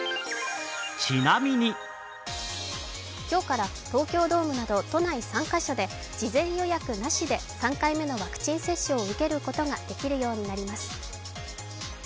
今日から東京ドームなど都内３カ所で事前予約なしで３回目のワクチン接種を受けることができるようになります。